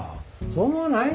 そう思わない？